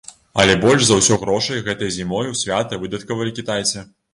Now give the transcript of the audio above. Але больш за ўсё грошай гэтай зімой у святы выдаткавалі кітайцы.